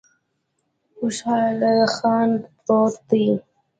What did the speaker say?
خوشحال خان پروت دی